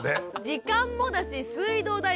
時間もだし水道代ガス代